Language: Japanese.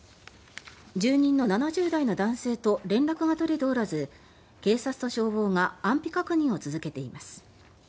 住人の７０代の男性と連絡が取れておらず警察と消防が安否確認を続けています。